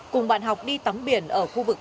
cùng bạn học đi tắm biển ở khu vực